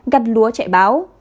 gặt lúa chạy báo